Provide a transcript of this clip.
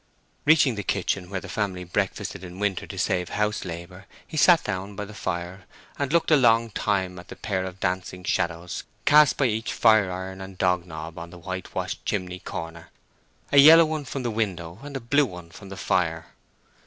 Reaching the kitchen, where the family breakfasted in winter to save house labor, he sat down by the fire, and looked a long time at the pair of dancing shadows cast by each fire iron and dog knob on the whitewashed chimney corner—a yellow one from the window, and a blue one from the fire.